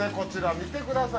見てください。